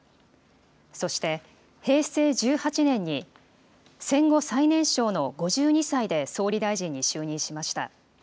そして平成１８年に、戦後最年少の５２歳で総理大臣に就任しました。